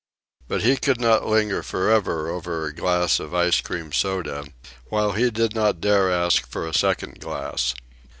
But he could not linger forever over a glass of ice cream soda, while he did not dare ask for a second glass.